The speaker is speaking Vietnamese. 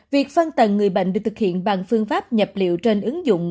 việc phân tần người bệnh được thực hiện bằng phương pháp nhập liệu trên ứng dụng